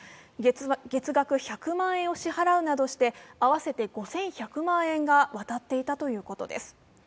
月額１００万円を支払うなどして合わせて５１００万円が渡っていたということです。